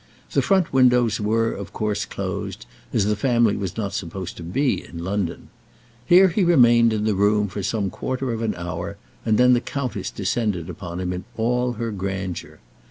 The front windows were, of course, closed, as the family was not supposed to be in London. Here he remained in the room for some quarter of an hour, and then the countess descended upon him in all her grandeur.